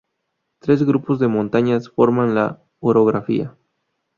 Tres grupos de montañas forman la orografía.